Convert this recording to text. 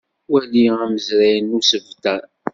Wali amazray n usebter.